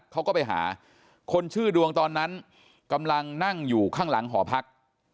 เขาก็ไปหาคนชื่อดวงตอนนั้นกำลังนั่งอยู่ข้างหลังหอพัก